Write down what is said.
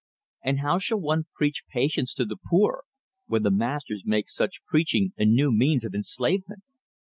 And how shall one preach patience to the poor, when the masters make such preaching a new means of enslavement?"